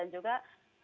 dan juga maksudnya